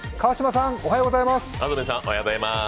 安住さん、おはようございます。